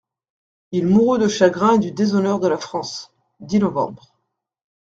Il mourut de chagrin et du déshonneur de la France (dix nov.